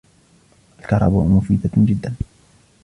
الكهرباء مفيدة جداً.